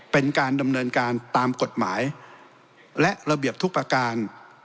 เป็นการดำเนินการตามกฎหมายและระเบียบทุกประการ